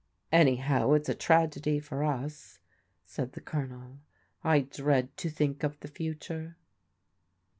"Anyhow, it's a tragedy for us," said the Colonel. " I dread to think of the future."